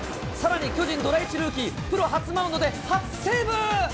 さらに、巨人ドラ１ルーキー、プロ初マウンドで初セーブ。